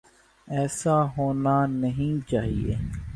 ایسا ہونا نہیں چاہیے۔